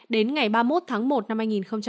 đến ngày ba mươi một tháng một năm hai nghìn hai mươi